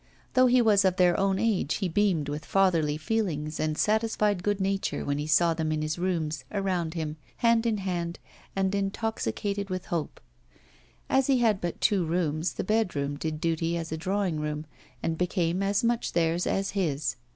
Though he was of their own age, he beamed with fatherly feelings and satisfied good nature when he saw them in his rooms, around him, hand in hand, and intoxicated with hope. As he had but two rooms, the bedroom did duty as a drawing room, and became as much theirs as his.